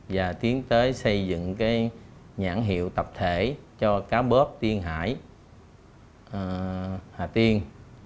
và tiến tới xây dựng nhãn hiệu tập thể cho cá bóp tiên hải hà tiên